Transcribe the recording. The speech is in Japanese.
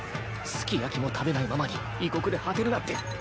すき焼きも食べないままに異国で果てるなんて。